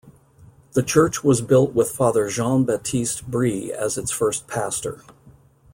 A church was built with Father Jean Baptiste Bre as its first pastor.